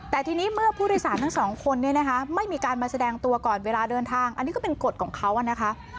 แต่ทีนี้เมื่อผู้โดยสารทั้งสองคนเนี่ยนะคะไม่มีการมาแสดงตัวก่อนเวลาเดินทางอันนี้ก็เป็นกฎของเขานะคะ